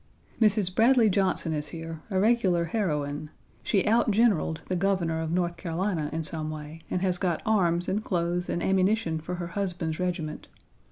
Mrs. Bradley Johnson is here, a regular heroine. She outgeneraled the Governor of North Carolina in some way and has got arms and clothes and ammunition for her husband's regiment.